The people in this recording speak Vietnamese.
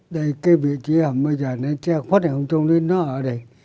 đây cái vị trí hầm bây giờ nó che khuất ở trong lý nó ở đây